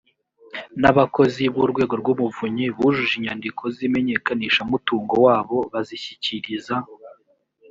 n abakozi b urwego rw umuvunyi bujuje inyandiko z imenyekanishamutungo wabo bazishyikiriza